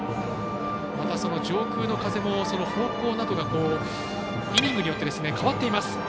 また、上空の風も方向などがイニングによって変わっています。